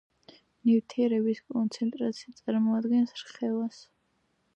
ნივთიერების კონცენტრაცია წარმოადგენს რხევას.